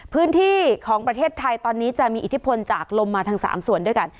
พื้นที่ของประเทศไทยตอนนี้จะมีอิทธิพลจากลมมาทั้ง๓ส่วนด้วยกัน